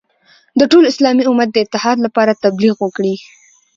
د ټول اسلامي امت د اتحاد لپاره تبلیغ وکړي.